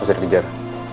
lo bisa dikejar